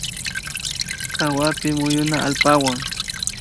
Tsawarpi muyuna allpawan